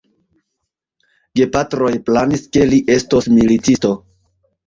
Gepatroj planis, ke li estos militisto.